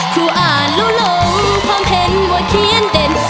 ครูอ่านแล้วลงความเห็นว่าเขียนเด่น